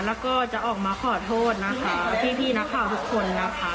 แล้วก็จะออกมาขอโทษนะคะพี่นักข่าวทุกคนนะคะ